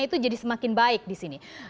itu jadi semakin baik di sini